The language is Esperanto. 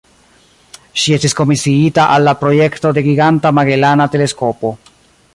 Ŝi estis komisiita al la projekto de Giganta Magelana Teleskopo.